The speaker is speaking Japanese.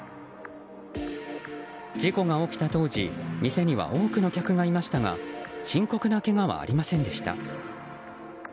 事故が起きた当時店には多くの客がいましたが深刻なけがはありませんでした。